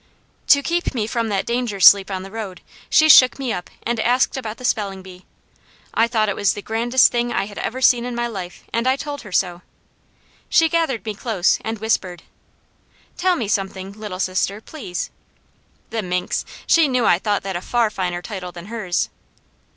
To keep me from that danger sleep on the road, she shook me up and asked about the spelling bee. I thought it was the grandest thing I had ever seen in my life, and I told her so. She gathered me close and whispered: "Tell me something, Little Sister, please." The minx! She knew I thought that a far finer title than hers.